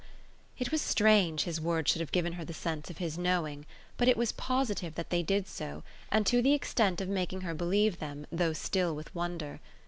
It was strange his words should have given her the sense of his knowing, but it was positive that they did so, and to the extent of making her believe them, though still with wonder.